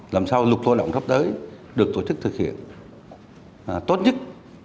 làm sao luật lao động sắp tới được tổ chức thực hiện tốt nhất